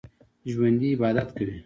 ژوندي عبادت کوي